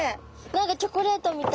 何かチョコレートみたい。